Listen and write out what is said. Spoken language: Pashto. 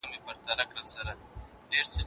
حساب کتاب مې په هره میاشت کې تازه کوم.